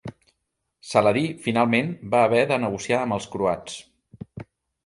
Saladí finalment va haver de negociar amb els croats.